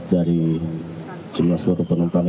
dari semua penumpang